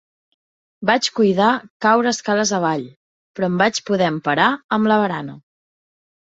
Vaig cuidar caure escales avall, però em vaig poder emparar amb la barana.